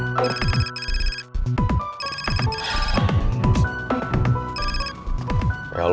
udah ngeri ngeri aja